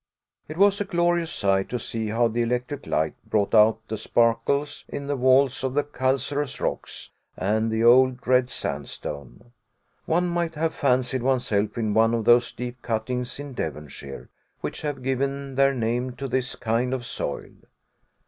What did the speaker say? It was a glorious sight to see how the electric light brought out the sparkles in the walls of the calcareous rocks, and the old red sandstone. One might have fancied oneself in one of those deep cuttings in Devonshire, which have given their name to this kind of soil.